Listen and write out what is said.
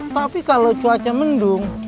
tapi kalo cuaca mendung